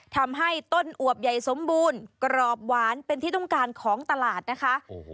ทำให้ต้นอวบใหญ่สมบูรณ์กรอบหวานเป็นที่ต้องการของตลาดนะคะ